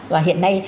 và hiện nay